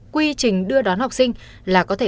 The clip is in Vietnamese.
quy trình đưa đón học sinh là có thể